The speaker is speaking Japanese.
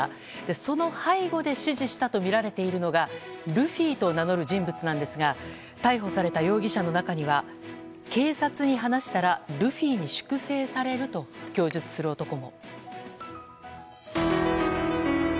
その背後で指示したとみられているのがルフィとみられる人物なんですが逮捕された容疑者の中には警察に話したらルフィに粛清されると供述する男も。